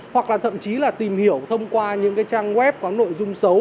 hoặc là thậm chí là tìm hiểu thông qua những cái trang web có nội dung xấu